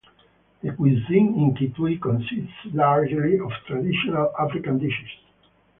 The cuisine in Kitui consists largely of traditional African dishes.